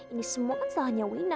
ini semua kan sahabatnya wina